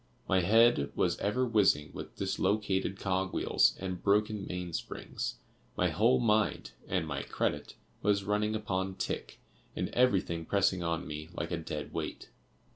My head was ever whizzing with dislocated cog wheels and broken main springs; my whole mind (and my credit) was running upon tick, and everything pressing on me like a dead weight.